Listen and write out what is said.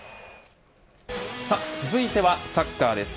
続いてはサッカーです。